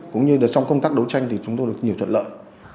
cũng như là trong công tác đấu tranh thì chúng tôi được nhiều thuận lợi